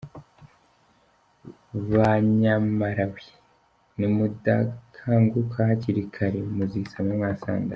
Ba nyamalawi, nimudakanguka hakiri kare muzisama mwasandaye.